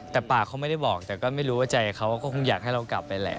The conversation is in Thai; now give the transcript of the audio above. แต่ปากเขาไม่ได้บอกแต่ก็ไม่รู้ว่าใจเขาก็คงอยากให้เรากลับไปแหละ